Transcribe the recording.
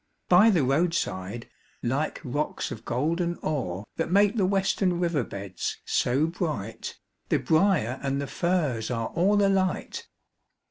By the roadside, like rocks of golden ore That make the western river beds so bright, The briar and the furze are all alight!